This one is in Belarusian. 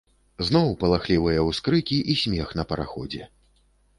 Зноў палахлівыя ўскрыкі і смех на параходзе.